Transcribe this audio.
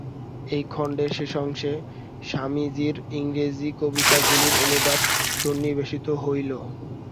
এই খণ্ডের শেষাংশে স্বামীজীর ইংরেজী কবিতাগুলির অনুবাদ সন্নিবেশিত হইল।